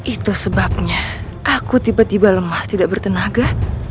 itu sebabnya aku tiba tiba lemas tidak bertenaga